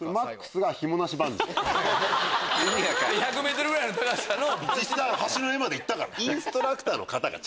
１００ｍぐらいの高さの。